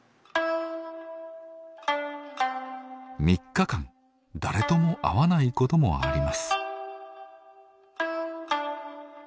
３日間誰とも会わないこともあります。